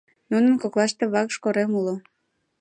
Нунын коклаште Вакш корем уло.